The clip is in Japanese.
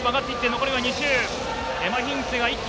残り２周。